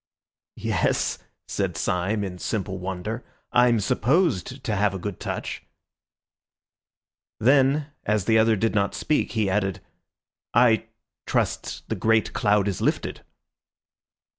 "Yes," said Syme in simple wonder, "I'm supposed to have a good touch." Then, as the other did not speak, he added— "I trust the great cloud is lifted."